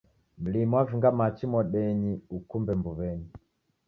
Mlimi wavinga machi modeni ukumbe mbuw'enyi